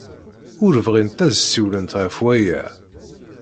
Ur bɣint ad d-ssiwlent ɣef waya.